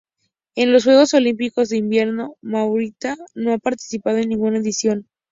En los Juegos Olímpicos de Invierno Mauritania no ha participado en ninguna edición.